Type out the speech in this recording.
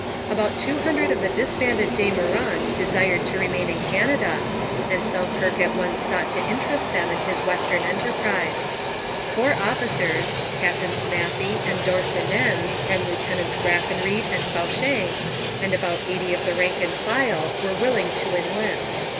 About two hundred of the disbanded De Meurons desired to remain in Canada, and Selkirk at once sought to interest them in his western enterprise. Four officers Captains Matthey and D'Orsonnens and Lieutenants Graffenreid and Fauché and about eighty of the rank and file were willing to enlist.